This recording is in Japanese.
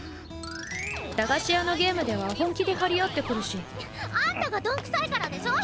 駄菓子屋のゲームでは本気で張り合ってくるしアンタが鈍臭いからでしょ！